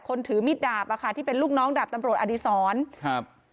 ถือมิดดาบอ่ะค่ะที่เป็นลูกน้องดาบตำรวจอดีศรครับ